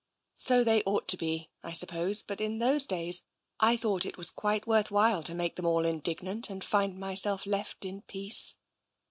So they ought to be, I suppose, but in those days I thought it was quite worth while to make them all indignant, and find myself left in peace.